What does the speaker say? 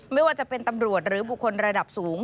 ไม่ว่าจะเป็นตำรวจหรือบุคคลระดับสูง